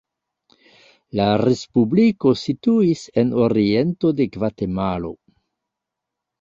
La respubliko situis en oriento de Gvatemalo.